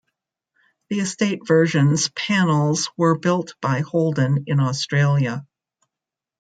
The estate version's panels were built by Holden in Australia.